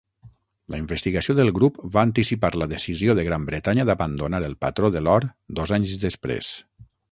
La investigació del grup va anticipar la decisió de Gran Bretanya d'abandonar el patró de l'or dos anys després.